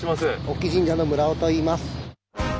隠岐神社の村尾といいます。